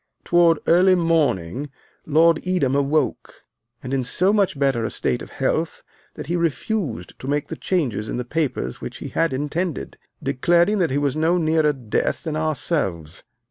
"Toward early morning Lord Edam awoke, and in so much better a state of health that he refused to make the changes in the papers which he had intended, declaring that he was no nearer death than ourselves.